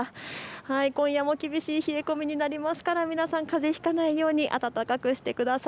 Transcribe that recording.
今夜も厳しい冷え込みになりますから皆さん、かぜひかないように暖かくしてください。